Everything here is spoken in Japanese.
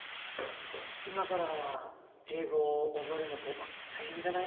今から英語を覚えるのってやっぱ大変じゃない？